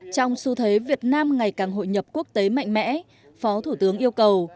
trong xu thế việt nam ngày càng hội nhập quốc tế mạnh mẽ phó thủ tướng yêu cầu